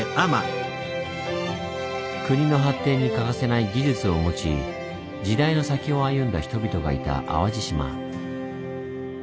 国の発展に欠かせない技術を持ち時代の先を歩んだ人々がいた淡路島。